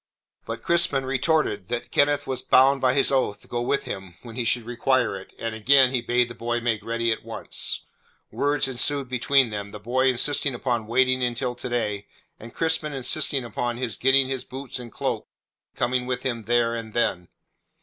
But Crispin retorted that Kenneth was bound by his oath to go with him when he should require it, and again he bade the boy make ready at once. Words ensued between them, the boy insisting upon waiting until to day, and Crispin insisting upon his getting his boots and cloak and coming with him there and then.